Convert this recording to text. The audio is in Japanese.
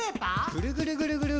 ぐるぐるぐるぐる。